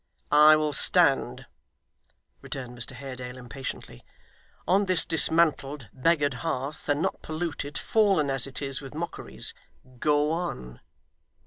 'I will stand,' returned Mr Haredale impatiently, 'on this dismantled, beggared hearth, and not pollute it, fallen as it is, with mockeries. Go on.